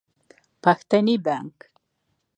پښتني بانګ